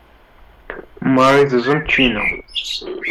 Marie teẓẓem ccina.